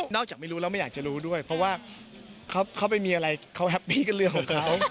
จากไม่รู้แล้วไม่อยากจะรู้ด้วยเพราะว่าเขาไปมีอะไรเขาแฮปปี้กับเรื่องของเขา